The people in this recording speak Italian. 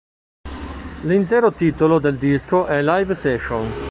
L'intero titolo del disco è "Live Session!